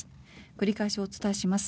繰り返しお伝えします。